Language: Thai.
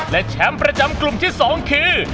และแชมป์ประจำกลุ่มที่๒คือ